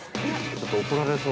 ◆いや、ちょっと怒られそう。